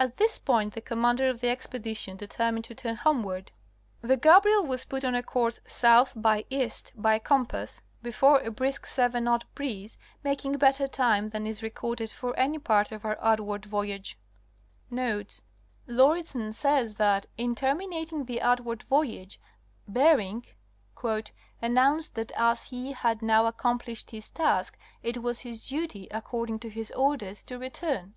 At this point the commander of the expedition determined to turn homeward. The Gadriel was put on a course 8. by E. by compass (S. by W. 4 W. true, the variation allowed being 24 points easterly) before a brisk seven knot breeze, making better time than is recorded for any part of her outward voyage. Notes.—Lauridsen says* that, in terminating the outward voyage, Bering ''announced that as he had now accomplished his task it was his duty, according to his orders, to return."